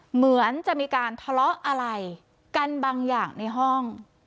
เหมือนจะมีการทะเลาะอะไรกันบางอย่างในห้อง